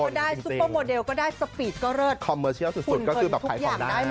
ได้ซุปเปอร์โมเดลก็ได้สปีดก็เลิศคอมเมอร์เชียลสุดสุดก็คือแบบขายของได้